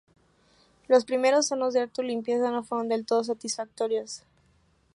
Los primeros hornos de auto limpieza no fueron del todo satisfactorios.